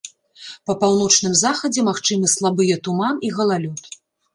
Па паўночным захадзе магчымы слабыя туман і галалёд.